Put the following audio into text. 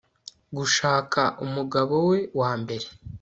gushaka umugabo we wa mbere